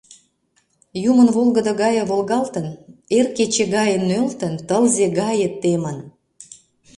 Юмын волгыдо гае волгалтын, эр кече гае нӧлтын, тылзе гае темын...